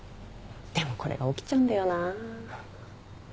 でもこれが起きちゃうんだよなあ。